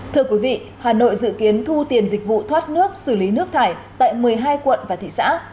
thưa quý vị hà nội dự kiến thu tiền dịch vụ thoát nước xử lý nước thải tại một mươi hai quận và thị xã